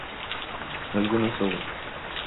Algunas obras